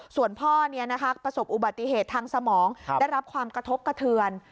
ส่วนพ่อประสบอุบัติเหตุทางสมองได้รับความกระทบกระเทือน